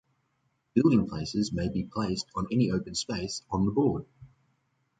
Building places may be placed on any open space on the board.